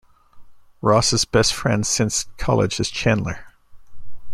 Ross's best friend since college is Chandler.